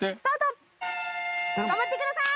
頑張ってください！